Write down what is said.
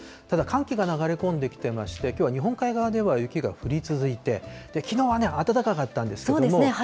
ただ寒気が流れ込んできてまして、きょうは日本海側では雪が降り続いて、きのうは暖かかったんですそうですね。